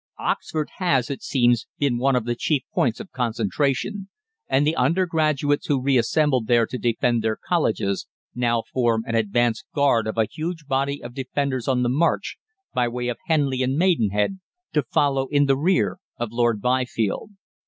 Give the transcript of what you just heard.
"Oxford has, it seems, been one of the chief points of concentration, and the undergraduates who re assembled there to defend their colleges now form an advance guard of a huge body of Defenders on the march, by way of Henley and Maidenhead, to follow in the rear of Lord Byfield.